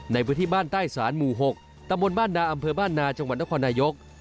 ในพื้นที่บ้านใต้ศาลหมู่๖ตำบลบ้านนาอำเภอบ้านนาจังหวัดนครนายก